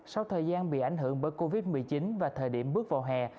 sau thời gian bị ảnh hưởng bởi covid một mươi chín và thời điểm bước vào hè